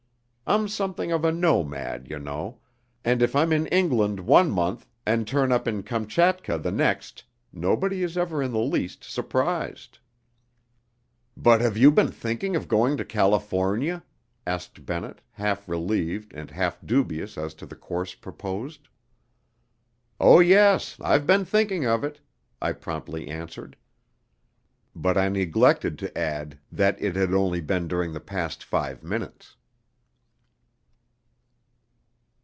I'm something of a nomad, you know, and if I'm in England one month, and turn up in Kamtchatka the next, nobody is ever in the least surprised." "But have you been thinking of going to California?" asked Bennett, half relieved and half dubious as to the course proposed. "Oh, yes, I've been thinking of it," I promptly answered. But I neglected to add that it had only been during the past five minutes.